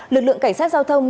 lực lượng cảnh sát giao thông